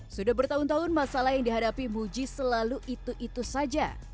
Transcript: sudah bertahun tahun masalah yang dihadapi muji selalu itu itu saja